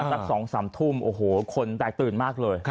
สัก๒๓ทุ่มโอ้โหคนแตกตื่นมากเลย